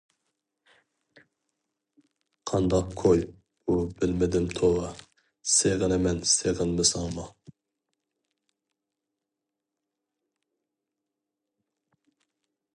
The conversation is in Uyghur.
قانداق كوي بۇ بىلمىدىم توۋا، سېغىنىمەن سېغىنمىساڭمۇ.